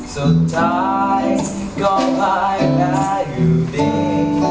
สุดท้ายก็ภายใต้อยู่ดี